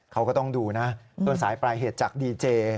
เขาก็ต้องดูนะต้นสายปลายเหตุจากดีเจ